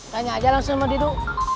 tanya aja langsung sama ditu